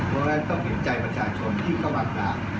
เพราะฉะนั้นต้องเห็นใจประชาชนที่เข้ามากราบ